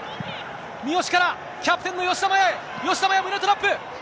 三好から、キャプテンの吉田麻也へ、吉田麻也、胸トラップ。